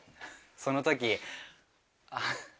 その時あっ。